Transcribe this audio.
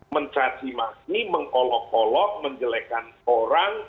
mencaci maki mengkolok kolok menjelekan orang